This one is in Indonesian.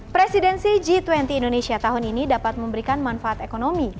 presidensi g dua puluh indonesia tahun ini dapat memberikan manfaat ekonomi